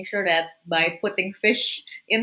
ikan di dalam kemampuan hidup